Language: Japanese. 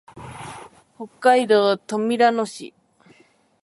北海道富良野市